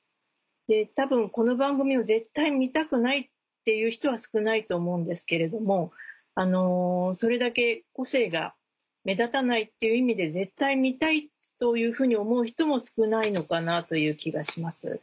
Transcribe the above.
多分この番組を絶対見たくないっていう人は少ないと思うんですけれどもそれだけ個性が目立たないっていう意味で絶対見たいというふうに思う人も少ないのかなという気がします。